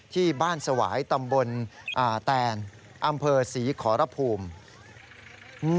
ที่บ้านสวายตำบลอ่าแตนอำเภอศรีขอรภูมิ